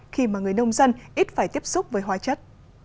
khi mà người nông dân ít phải tiếp xúc với hóa chất